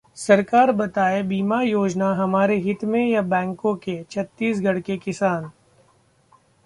सरकार बताए बीमा योजना हमारे हित में या बैंकों के: छत्तीसगढ़ के किसान